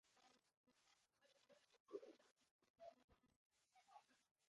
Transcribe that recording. Wadding was the son of Marie Walsh and Thomas Wadding, Mayor of Waterford.